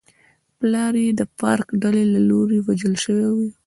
پلار یې د فارک ډلې له لوري وژل شوی و.